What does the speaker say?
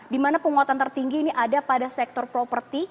di mana penguatan tertinggi ini ada pada sektor properti